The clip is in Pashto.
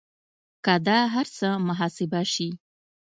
که دا هر څه محاسبه شي